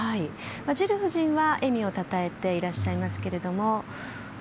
ジル夫人は笑みをたたえていらっしゃいますが。